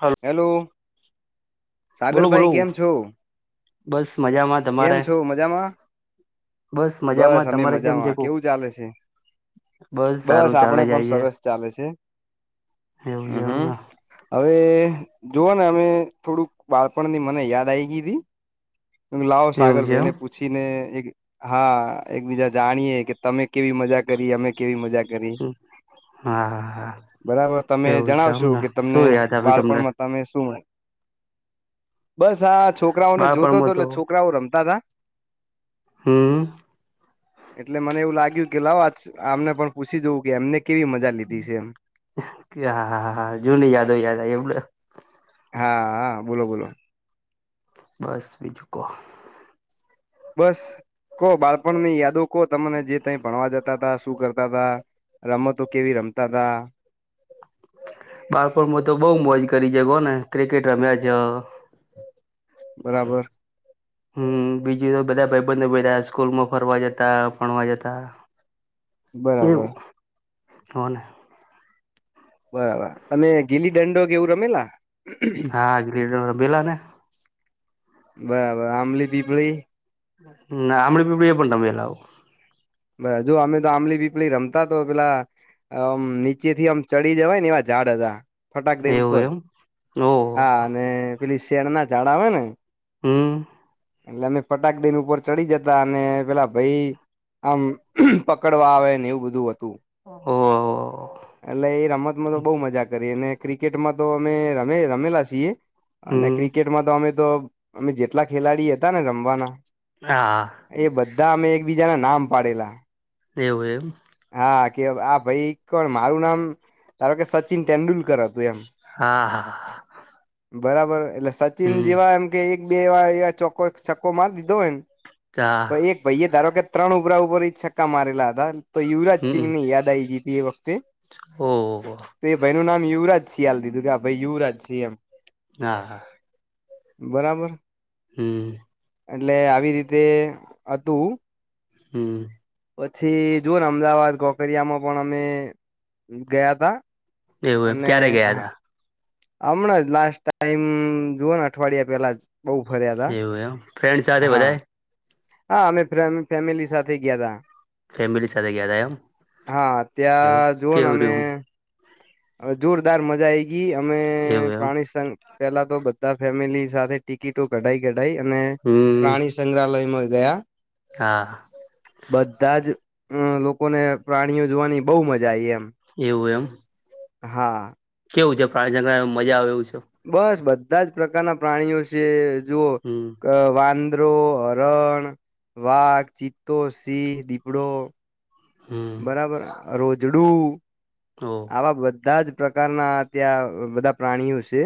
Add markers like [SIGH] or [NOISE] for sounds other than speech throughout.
Hello hello. બોલો બોલો સાગરભાઈ કેમ છો બસ મજામાં કેમ તમારે છો મજામાં. બસ મજામાં અમે તમારે કેમ છે મજામાં કો કેવું ચાલે છે. બસ સારું ચાલે આપડે પણ જાય સરસ ચાલે છે. છે એવું હમ છે હમ્મ એમને હવે જુઓ ને અમે થોડુંક બાળપણ ની મને યાદ આવી ગીવી લાવો એવું સાગર છે એમ ભાઈને પૂછીને એક હા એકબીજા જાણીએે કે તમે કેવી મજા કરી અમે કેવી મજા કરી હા હા હા બરાબર તમે એવું છે જણાવશો અમને કે તમને શું યાદ આવી બાળ તમને પણ તમે શું બસ આ છોકરાઓને જોતો હતો બાળપણમાં એટલે તો છોકરાઓ રમતા હતા. હમ એટલે મને એવું લાગ કેવું કેે લાવો આજ આમને પણ પૂછી જવું કે એમને કેવી મજા લીધી છે એમ હા હા હા જૂની યાદો યાદ આવી [UNINTELLIGIBLE] હા હા બોલો બોલો બસ બીજું કોહો. બસ કો બાળપણ ની યાદો કો તમને જે ત ભણવા જતા તા શું કરતા તા રમતો કેવી રમતા હતા. બાળપોણમાં તો બઉ મોજ કરી છે કો ને ક્રિકેટ રમ્યા જ બરાબર. હમ્મ બીજું બધા ભાઈબંધ બધા સ્કૂલમાં ફરવા જતા ભણવા જતા. બરાબર. હન બરાબર તમે ગીલી દંડો કે એવું રમેલા હા ગ બેેલા ને બરાબર આંબલી પીપળી ના આમડીી પીડી એ પણ તમેલાાવો બ જોુ અમે તો આંબલી પીપલી રમતા તો પેલામ નીચે થી આમ ચડી જવાય ને અવાજ ઝાડ હતા ફટાક દે એવું ઉપર એમ ઓહ હા અને પેલી શેરના ઝાડ આવે ને હમ એટલે અમે ફટાકડાન ઉપર ચડી જતા અને પેલા ભાઈ આમ પકડવા આવે ને એવું બધું હોતું ઓહ એટલે એ રમતમાં તો બહ મજા કરીને ક્રિકેટમાં તો અમે રમે રમેલા છીએ અને હમ્મ ક્રિકેટમાં તો અમે તો અમે જેટલા ખેલાડી હતા ને રમવાના હા બા અમે એકબીજા ના નામ પાડેલા એવું એમ હા કે આ ભાઈ કોણ મારું નામ ધારો કે સચિન તેંડુલકર હતું એમ હા હા બરાબર એટલે સચિન હમ્મ જેવા એમ કે એક બે એવા ચોકો છક્કો મારી દીધો હા હોયને એક ભાઈ એ ધારો કે ત્રણ ઉભરા ઉપર છક્કા મારેલા હતા તો યુવરાજ સિંઘ હમ્મ ની યાદ આવી ગઈ હતી એ વખતે ઓહ તો એ ભાઈ નું નામ યુવરાજ શિયાલ દીધું કે આ ભાઈ યુ રાજત છે એમ હા હા બરાબર હમ એટલે આવી રીતે હતું હમ પછી જોુ ને અમદાવાદ કોકરિયામાં પણ અમે ગયા તા એવું એમ અને ક્યારે ગયા તા હમણાં જ લાસ્ટ ટાઈમ જુઓ ને અઠવાડિયા પેલા જ બઉ ફર્યાદા એવું એમ ફ્રેન્ડ સાથે હા બધાએ હા અમે ફેમિલી સાથે ગયા ત ફેમિલી સાથે ગયા તા એમ હા એવું ત્યાં જુઓને કેવું અમે રહ્યું હવે જોરદાર મજા આ ગઈ અમે એવું એમ પ્રાણીસઘ પેલા તો બધા ફેમિલી સાથે ટિકિટો કઢાઈ કઢાય અને હમ્મ પ્રાણી સંગ્રહાલયમાં ગયા હા બધા જ અ લોકોને પ્રાણીઓ જોવાની બહુ મજા આ એમ એવું એમ હા કેવું છે પ્રાણીજંામાં મજા આવે એું છે બસ બધા જ પ્રકારના પ્રાણીઓ છે જુઓ હમ્મ વાંદ ચદ્રો હરણ વાઘ ચિત્તો સિંહ દીપડો હમ્મ બરાબર રોજડું આવા ઓહ બધા જ પ્રકારના ત્યાં બધા પ્રાણીઓ છે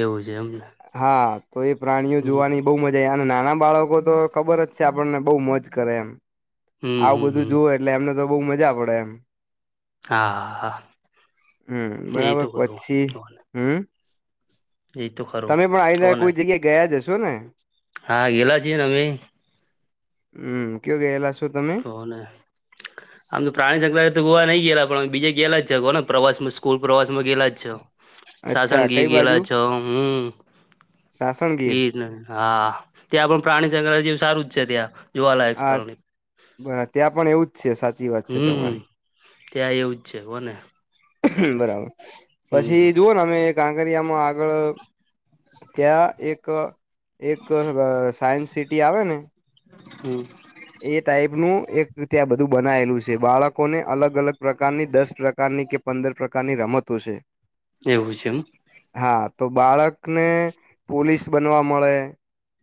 એવું છે એમને હા તો એ પ્રાણીઓ હમ્મ જોવાની બહુ મજા અને નાના બાળકો તો ખબર જ છે આપણને બહુ મજ કરે એમ હમ્મ આવું બધું હમ્મ જોુવું એટલે એમને તો બહુ મજા પડે એમ હા હા હમ એ બરાબર તો ખરું પછી તો ને, હમ એ તો ખરું તમે પણ તો આવીને ને કોઈ જગ્યા ગયા જ હશો ને હા ગેલા જ નમે હમ કયો ગયેલા. છો તમે તો ને આમ તો પ્રાણી [UNINTELLIGIBLE] તો ગોવા નહી. ગેલા પણ બીજા ગેલા જ [UNINTELLIGIBLE] ને [UNINTELLIGIBLE] માં ગેલા જ છો. અચ્છા સાસણ ગીર કઈ બાજુ ગયેલા છો હું. સાસણગીર ગીર હા ત્યાં પણ પ્રાણી સક્રાંતિ સારું જ છે, ત્યાં જોવાલાયક આ સ્થળ. [UNINTELLIGIBLE] ત્યાં પણ એવું જ છે, સાચી વાત છે, હમ તમારી. ત્યાં એવું જ છે કોને બરાબર હમ પછી જુવો ને અમે કાંકરિયામાં આગળ ત્યાં એક એક સાયન્સ સિટી આવે ને હમ્મ. એ ટાઈપનું એક ત્યાં બધું બનાયેલું છે, બાળકોને અલગ અલગ પ્રકારની દસ પ્રકારની ની કે પંદર પ્રકારની રમતો છે. એવું છે, એમ હા તો બાળકને પોલીસ બનવા મળે.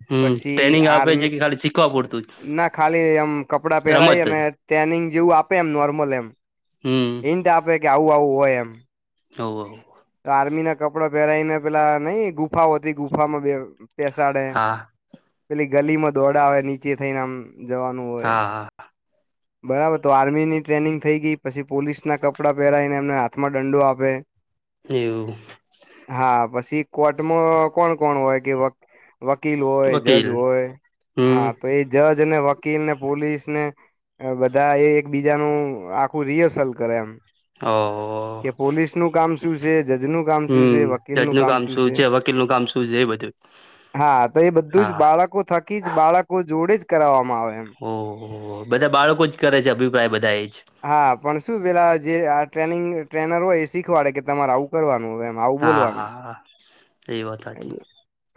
હમ્મ પછી ટ્રેનિંગ આપે છે, આર્મી કે [UNINTELLIGIBLE] શીખવા પૂડતું જ. ના ખાલી એમ કપડાં પહેરાય રમત અને જ ટેનિંગ જેવું આપે એમ નોર્મલ એમ. હમ હિન્ટ આપે કે આવું આવું હોય એમ. હોવ હોવ. તો આર્મી ના કપડા પહેરાઈને પેલા નઈ ગુફાઓ હતી ગુફામાં બે પેસાડે હા પેલી ગલી માં દોડાવે આવે નીચે થઈને આમ જવાનું હોય. હા હા બરાબર તો આર્મીની ટ્રેનિંગ થઈ ગઈ પછી પોલીસના કપડાં પહેરાઈને એમને હાથમાં દંડો આપે. એવું હા પછી કોટમાં કોણ કોણ હોય કે વ વકીલ હોય જજ વકીલ હોય હમ હા તો એ જજ ને વકીલ ને પોલીસ ને બધા એ એક બીજાનું આખું [UNINTELLIGIBLE] કરે એમ. ઓ કે પોલીસ નું કામ શું છે જજનું કામ શું હમ છે, વકીલનું જજનું કામ શું છે. વકીલનું કામ શું છે એ બધું હા તો એ બધું જ હા બાળકો થકી જ બાળકો જોડે જ કરાવવાનુ. ઓહ [UNINTELLIGIBLE] બધા બાળકો જ કરે છે, અભિપ્રાય બધા એ જ હા પણ શું પેલા જે આ ટ્રેનિંગ ટ્રેનર હોય એ શીખવાડે કે તમારે આવું કરવાનું. હોય એમ આવું બોલવાનું હા-હા-હા.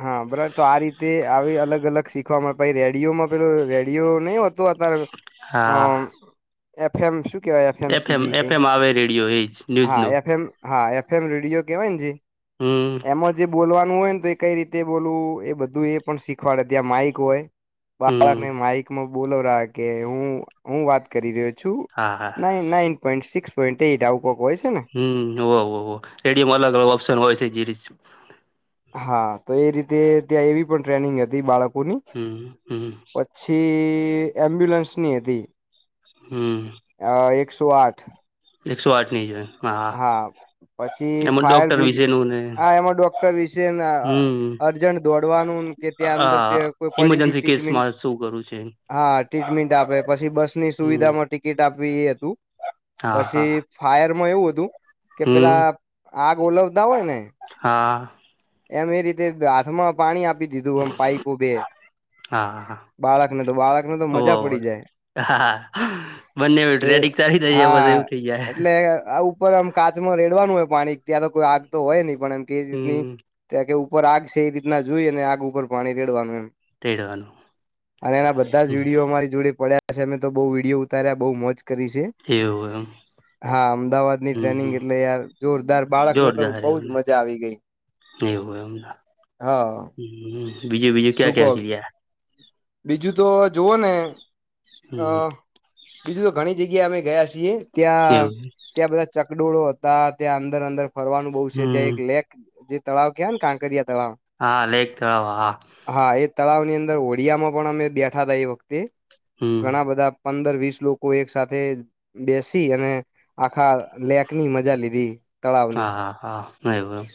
હા બરાબર તો આ રીતે આવી અલગ -અલગ શિક [UNINTELLIGIBLE] રેડિયોમાં પેલ રેડિયો નહિ હોતું અત્યારે અમ હા એફ એમ શું કેવાય એફ એમ સજી છે, એફ એમ આવે રેડિયો એજ હા ન્યૂઝનું એફમ હા એ ફેમ [UNINTELLIGIBLE] કેવાય જે હમ્મ. એમાં જે બોલવાનું હોય ને તો એ કઈ રીતે બોલવું એ બધું એ પણ શીખવાડે ત્યાં માઇક હોય. હમ બાળકને માઇકમાં બોલોવ [UNINTELLIGIBLE] કે હું હું વાત કરી રહ્યો. શુ હા હા nine nine point six point out. હમ [UNINTELLIGIBLE] રેડિયોમાં અલગ અલગ ઓપ્શન હોય છે, [UNINTELLIGIBLE] હા તો એ રીતે ત્યાં એવી પણ ટ્રેનિંગ હતી બાળકો ની હમ હમ પછી એમ્બ્યુલન્સ ની હતી. હમ્મ. અ એકસો આઠ એકસો આઠની જાય. હા પછી ફાયર ડોક્ટર બ્રિગેડ વિશેનું ને હા એમાં ડોક્ટર વિસે હમ અર્જન્ટ દોડવાનું કે ત્યાં અંદર હા કોઈ પડી ગયું ઈમરજન્સી ટ્રીટમેન્ટ કેસમાં શું કરું છે હા. ટ્રીટમેન્ટ આપે પછી બસની હમ સુવિધામાં ટિકિટ આપવી એ હતું હા પછી હા ફાયર એમાં એવું હતું કે હમ પેલા આગ ઓલવતા હોય ને હા એમ એ રીતે હાથમાં પાણી આપી દીધું એમ પાઈપો બે હા હા બાળકને તો બાળકને તો હોવે મજા હોવે. પડી જાય. હા બંને તો એ ટ્રેડિક સારી થઈ જાય બધુ એવું હા થઇ જાય. એટલે આ ઉપર આમ કાચમાં રેડવાનું હોય પાણી ત્યારે કોઈ આગ તો હોય નહી પણ એમ કેવી રીતની હમ ત્યાં કે ઉપર આગ છે એ રીતના જોઈને અને આગ ઉપર પાણી રેડવાનું એમ. તેડવાનું અને એના બધા જ વિડીયો અમારી જોડે પડ્યા. પાછ અમે તો બઉ વિડીયો ઉતાર્યા બહુ મોજ કરી છે એવું એમ હા અમદાવાદની હમ ટ્રેનિંગ હમ એટલે યાર જોરદાર બાળક ને તો જોરદાર બઉજ એવુંને મજા આવી ગઈ. એવું એમ હા બીજું બીજું શું ક્યાં કેવા કો છે ાર બીજું તો જુવો ને અ હમ બીજું તો ઘણી જગ્યા અમે ગયા છીએ ત્યાં એવું ત્યાં બધા ચકડોળો હતા ત્યાં અંદર અંદર ફરવાનું બઉુ છે ત્યાં હમ એક લેખ જે તળાવ કયા ને કાંકરિયા તળાવ હા લેખ તળવા તળાવ ની અંદર ઓડિયા માં પણ અમે બેઠા તા એ વખતે હમ ઘણા બધા પંદર વીસ લોકો એક સાથે બેસી અને આખા લેક ની મજા લીધી તળાવની હા હા હા એવું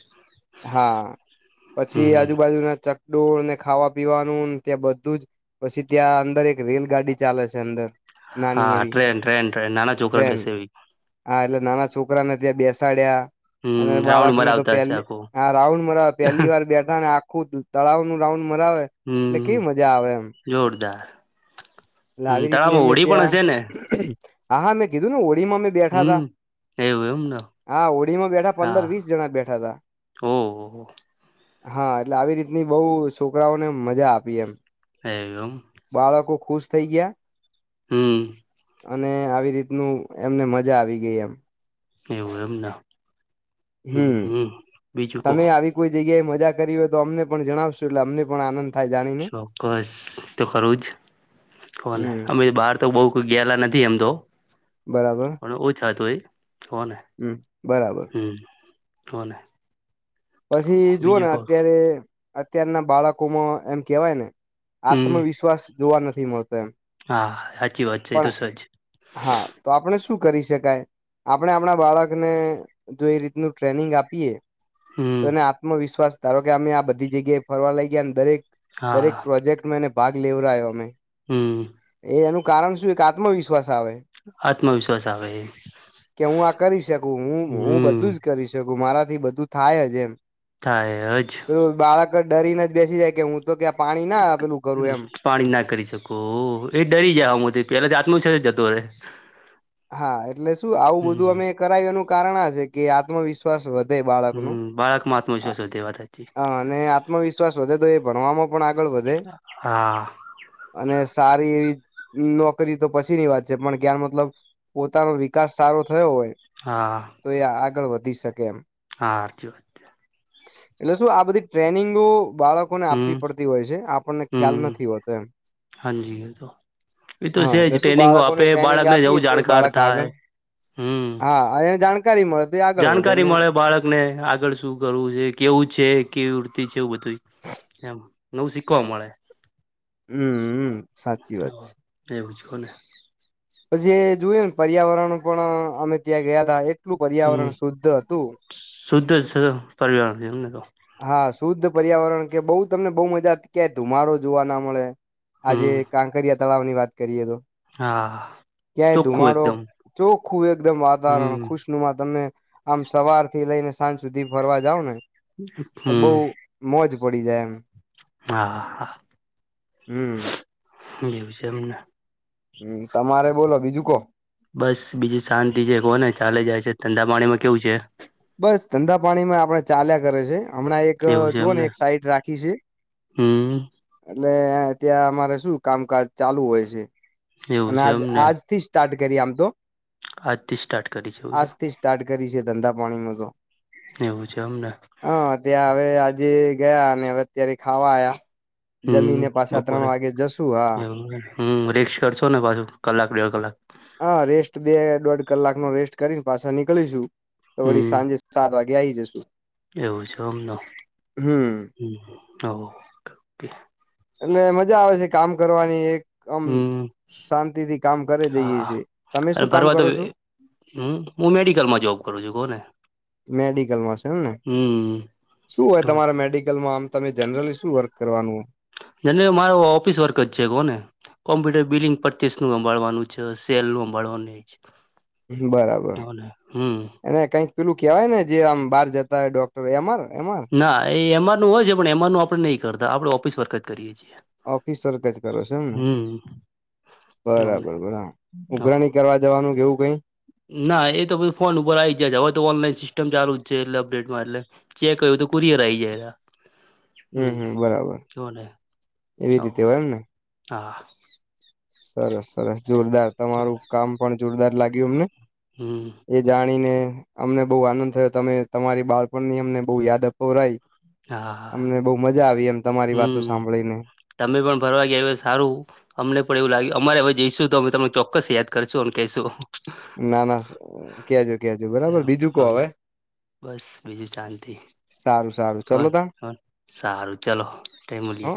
હા પછી એમ હમ આજુબાજુના ચ ડોળને ખાવા પીવાનુંને ત્યાં બધું જ પછી ત્યાં અંદર એક રેલગાડી ચાલે છે અંદર નાની હા એવી ટ્રેન ટ્રેન ટ્રે નાના છોકરા ટ્રેન બેસે એવી હા એટલે નાના છોકરાને ત્યાં બેસાડ્યા અને હમ રાઉન્ડ બાળકને તો મરાવતા પહે હશે આખું હ રાઉન્ડ મળરા પેલી વાર બેઠા ને આખું તળાવ નું રાઉન્ડ મરાવે એટલે હમ કેવી મજા આવે એમ જોરદાર એટલે હમ આવી રીતની તળાવમાં અમે હોડી પણ ત્યાં હશે ને હા હા મે રીમાં બેઠા હમ થા એવું એમને હા હોળીમાં બેઠા પંદર હા વીસ જણા બેઠા હતા ઓહ હા એટલે આવી રીતની બહુ છોકરાઓને મજા આપી એમ એમ બાળકો ખુશ થઈ ગયા હમ અને આવી રીતનું એમને મજા આવી ગઈ એમ એવું એમ ના હમ તમે આવી કોઈ જગ્યાએ મજા આવી મજા કરી હોય તો અમને પણ જણાવશો એટલે અમને પણ આનંદ થાય જાણીને ચોક્કસ તો ખરું જ કોને હમ અમે બાર તો બહ કોઈ ગેલા નથી એમ તો બરાબર ઓછ હતુંય હમ બરાબર કોને પછી જુઓ ને અત્યારે અત્યારના બાળકોમાં એમ કેવાય ને હમ આત્મવિશ્વાસ જોવા નથી મળતો હા સાચી વાત છે એ તો પણ સજ હા તો આપણે શું કરી શકાય આપણે આપણા બાળકને જો એ રીતનું ટ્રેનિંગ આપીએ હમ તોને આત્મવિશ્વાસ ધારો કે અમે આ બધી જગ્યાએ ફરવા લઈ ગયા અને દરેક દરેક હા પ્રોજેક્ટમાં એને ભાગ લેવ્યો અમે હમ એનું કારણ શું એક આત્મવિશ્વાસ આત્મવિશ્વાસ આવે કે હું આ કરી શકું હું હું હમ બધું જ કરી શકું મારા થી બધું થાયજ એમ થાય જ પેલું બાળક ડરીને જ બેસી જાય કે હું તો ક્યાં પાણી ના આપેલું પાણી ના કરી શકો એ ડરી જવામ પેલા જાત ન છે જ જતો રહેે હા એટલે શું આવું બધું હમ અમે કરાવ એનું કારણ છે કે આત્મવિશ્વાસ વધ બાળકનું આત્મવિ્વાસ હો તેવા હતા હ અને આત્મવિશ્વાસ વધે તો એ ભણવામાં પણ આગળ વધે. હા અને સારી નોકરી તો પછીની વાત છે પણ કાર મતલબ પોતાનો વિકાસ સારો થયો હોય હા તો એ આગળ વધી શકે એમ. હા, આરતી વાત છે. એટલે શું આ બધી ટ્રેનિંગો બાળકોને હમ આપવી પડતી હોય છે આપણને ખ્યાલ હમ નથી હોતો એ. હાજી એ તો એ તો હા છે એટલે જ શું ટ્રેનિંગો આપે બાળકોને ટ્રેનિંગ બાળકને આપીએ જવું જાણકાર બાળક થાય આગળ હમ હા જાણ જાણકારી મળે બાળકને આગળ શું કરવું છે, કેવું છે કેવીતિ છે. કેવું બધું એમ નવું શીખવા મળે. હમ સાચી વાત છે. એને પછી જોયું ને પર્યાવરણ પણ અમે ત્યાં ગયા તા એ કેટલું હમ પર્યાવરણ શુદ્ધ હતું શુદ્ધ છે પરવાર છેને તો હા શુદ્ધ પર્યાવરણ કે બહુ તમને બહુ મજાતી ક્યાય ધુમાડો જોવા ના મળે આજે હમ કાંકરિયા તળાવ ની વાત કરીએ તો. હા. ક્યાય ચોખ્ખું ધુમાડો એકદમ ચોખ્ખું એકદમ વાતાવરણ હમ ખુશનુમાં તમે આમ સવાર થી લઈને સાજ સુધી ફરવા જાવ ને તો બઉ હમ. મોજ પડી જાય એમ હા હા હા હમ. યુઝમને. હમ તમારે બોલો બીજું કો બસ બીજું શાંતિ છે કો ને ચાલે જાય છે ધડાા પાણીમાં કે્યવ છે. બસ ધંધા પાણી માં આપડે ચાલ્યા કરે છે. હમણાં એક એવું છે જોુવ ને એમને એક સાઈટ રાખી છે. હમ એટલે ત્યાં અમારે શું કામકાજ ચાલુ હોય છે, એવું અને છે આજ એમને આજ થી સ્ટાર્ટ ગરરીયામ તો આજથી સ્ટાર્ટ કરી છેવું છે. આજથી સ્ટાર્ટ ધંધા પાણીમાં તો, છે એવું છે અમને હ ત્યાં હવેજ આજે ગયા અત્યારે ખાવા આવયા હમ જમીને પાછા ત્રણ બપોરે વાગે જશુ હા. એવું હમ રી્ક્ષ કરશો ને પાછું કલાક દોઢ કલાક હા રેસ્ટ બે દોઢ કલાક નો રેસ્ટ કરીને પાછા નીકળીશું, તો વળી હમ સાંજે સાત વાગે ગ આવી જશું એવું છે અમનું. હમ ઓકે. એટલે મજા આવે છે કામ કરવાની એક આમ શાંતિ થી કામ કરી જઈએ છીએ હા તમે અને શું કામ ફરવા તો કરો છો હ હું મેડિકલમાં જોબ કરું છું કહ ને? મેડિકલમાં છે એમ ને શું હોય તમારે મેડિકલમાં આમ તમે જનરલી શું વર્ક કરવાનું જેને મારો ઓફિસ વર્ક જ છે, કો ને? કોમ્પ્યુટર બિલિંગ પરચેસ નું સાંભાવાનું છે સેલ નું સાંભાળવાનું છે. બરાબર. હમ અને કઈ પેલું કેવાય ને જે આમ બહાર જતા હોય ડોક્ટર એમાર એમાર એમઆરનું હોય છે પણ એમઆરનું આપણેહીં કરતા આપણે ઓફિસ વર્ક જ કરીએ છીએ ઓફિસર્ક જ કરો છો એમને હમ બરાબર બરા ઉઘરાણી કરવા જવાનું કેવું કઈ ના એ તોી ફોન ઉપર આવી જયા છે હવે તો ઓનલાઈન સિસ્ટમ ચાલુ જ છે એટલે અપડેટ માં એટલે ચેક કર્યું તો કુરિયર આ આવી જાય એ હમ હમ બરાબર ને હ એવી રીતે હોય એમ ને હા સરસ સરસ જોરદાર તમારું કામ પણ જોરદાર લાગ્યું અમને હમ એ જાણીને અમને બહુ આનંદ થયો તમે તમારી બાળપણની અમને બહુ યાદ આપ રઈ હા અમને બહુ મજા આવી એમ તમારી વાતો હમ સાંભળીને તમે પણ ફરવા ગયા સારું અમને પણ એવું લાગ્યું અમારે હવે જઈશું તો અમે તમને ચોક્કસ યા કરશું અને કહીશું ના ના ક્યાજો ક્યાજુ બરાબર બીજું કો હવે બસ બીજું શાિ સારું સારું કો ચલો તા કો સારું ચલો તે હ મૂલીે